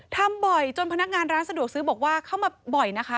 ทำบ่อยจนพนักงานร้านสะดวกซื้อบอกว่าเข้ามาบ่อยนะคะ